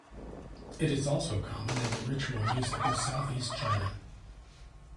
It is also common in the ritual music of Southeast China.